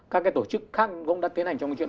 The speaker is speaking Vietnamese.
các tổ chức khác cũng đã tiến hành trong chuyện